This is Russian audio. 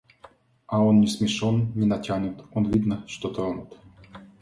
А он не смешон, не натянут, он видно, что тронут.